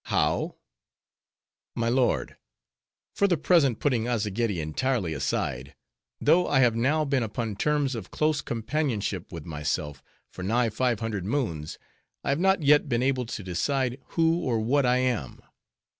"How?" "My lord,—for the present putting Azzageddi entirely aside,—though I have now been upon terms of close companionship with myself for nigh five hundred moons, I have not yet been able to decide who or what I am.